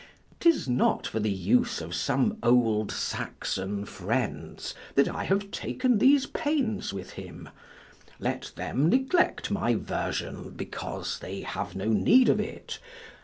'Tis not for the use of some old Saxon friends that I have taken these pains with him: let them neglect my version, because they have no need of it.